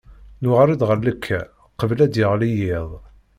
Nuɣal-d ɣer llekka qbel ad d-yeɣli yiḍ.